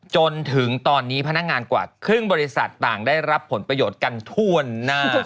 จนถึงตอนนี้พนักงานกว่าครึ่งบริษัทต่างได้รับผลประโยชน์กันทั่วหน้า